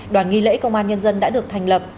đoàn nghi lễ công an nhân dân đã được thành lập